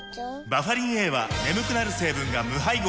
バファリンＡは眠くなる成分が無配合なんです